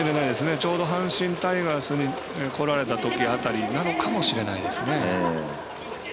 ちょうど阪神タイガースに来られたとき辺りかもしれないです。